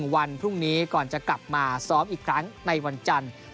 วันพรุ่งนี้ก่อนจะกลับมาซ้อมอีกครั้งในวันจันทร์